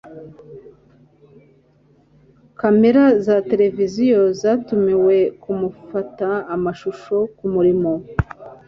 Kamera za tereviziyo zatumiwe kumufata amashusho kumurimo